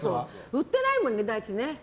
売ってないもんね、第一。